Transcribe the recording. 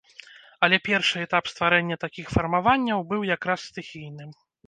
Але першы этап стварэння такіх фармаванняў быў як раз стыхійным.